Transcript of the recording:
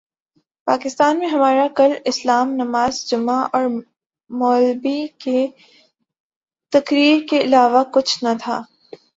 پاکستان میں ہمارا کل اسلام نماز جمعہ اور مولبی کی تقریر کے علاوہ کچھ نہ تھا